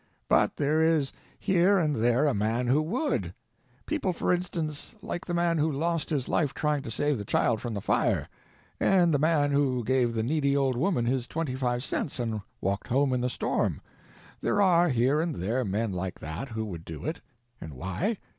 But there is here and there a man who would. People, for instance, like the man who lost his life trying to save the child from the fire; and the man who gave the needy old woman his twenty five cents and walked home in the storm—there are here and there men like that who would do it. And why?